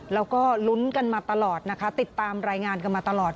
แล้วก็ลุ้นกันมาตลอดนะคะติดตามรายงานกันมาตลอด